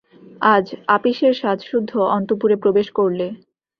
আজ আপিসের সাজসুদ্ধ অন্তঃপুরে প্রবেশ করলে।